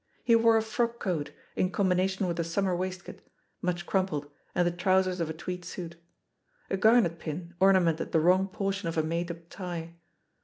He wore a frock coat, in combina tion with a summer waistcoat, much crumpled, and the trousers of a tweed suit. A garnet pin ornamented the wrong portion of a made up tie.